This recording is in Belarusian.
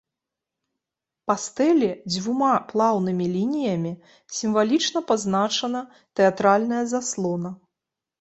Па стэле дзвюма плаўнымі лініямі сімвалічна пазначана тэатральная заслона.